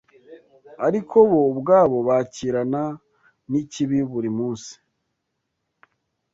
ariko bo ubwabo bakirana n’ikibi buri munsi